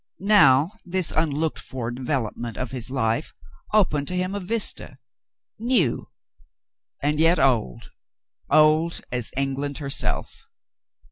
Now this unlooked for development of his life opened to him a vista — new — and yet old, old as England herself.